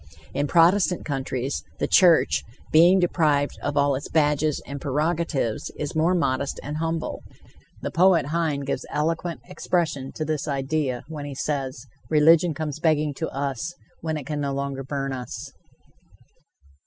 In Protestant countries, the church, being deprived of all its badges and prerogatives, is more modest and humble. The poet Heine gives eloquent expression to this idea when he says: "Religion comes begging to us, when it can no longer burn us."